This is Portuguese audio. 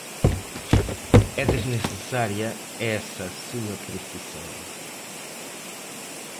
É desnecessária essa sua precisão.